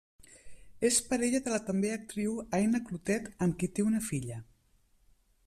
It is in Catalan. És parella de la també actriu Aina Clotet amb qui té una filla.